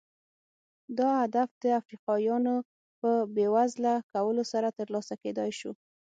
دا هدف د افریقایانو په بېوزله کولو سره ترلاسه کېدای شو.